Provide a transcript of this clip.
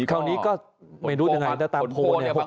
คราวนี้ก็ไม่รู้จะไงแต่ตามโพลเนี่ย๖๐๗๐